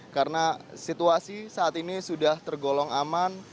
karena situasi saat ini sudah tergolong aman